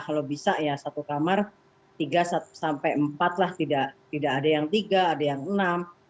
kalau bisa ya satu kamar tiga sampai empat lah tidak ada yang tiga ada yang enam